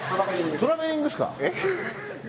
塙：トラベリングですか？